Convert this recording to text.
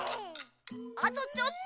あとちょっと。